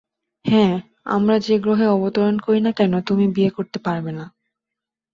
হ্যাঁ, আমরা যে গ্রহে অবতরণ করি না কেন তুমি বিয়ে করতে পারবে না।